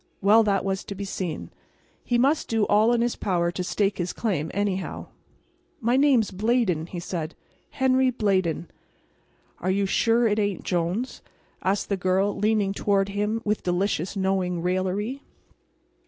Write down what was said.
Well, that was to be seen. He must do all in his power to stake his claim, anyhow. "My name's Blayden," said he—"Henry Blayden." "Are you real sure it ain't Jones?" asked the girl, leaning toward him, with delicious, knowing raillery.